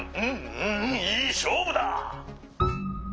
うんいいしょうぶだ！」。